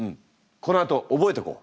このあと覚えとこう。